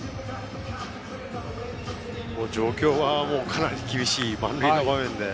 状況はかなり厳しい満塁の場面で。